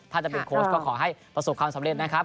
ถ้าจะเป็นโค้ชก็ขอให้ประสบความสำเร็จนะครับ